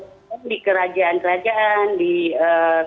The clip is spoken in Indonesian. pakem di kerajaan kerajaan di eee